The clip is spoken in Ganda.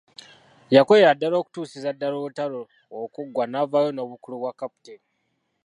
Yakolera ddala okutuusiza ddala olutalo okuggwa n'avaayo n'obukulu bwa Captain.